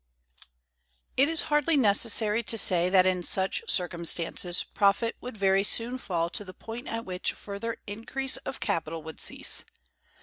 It is hardly necessary to say that in such circumstances profits would very soon fall to the point at which further increase of capital would cease.